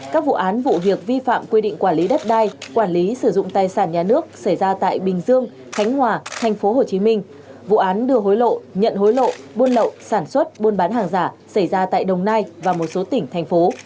các vụ án vụ việc vi phạm quy định quản lý đất đai quản lý sử dụng tài sản nhà nước xảy ra tại bình dương khánh hòa tp hcm vụ án đưa hối lộ nhận hối lộ buôn lậu sản xuất buôn bán hàng giả xảy ra tại đồng nai và một số tỉnh thành phố